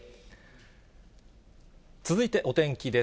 続いてお天気です。